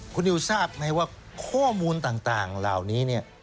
คุณนิวทราบไหมว่าข้อมูลต่างเหล่านี้เนี่ย